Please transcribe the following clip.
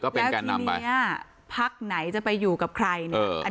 ก็เป็นแกนนำไปแล้วทีเนี้ยอ่ะพักไหนจะไปอยู่กับใครเนี้ย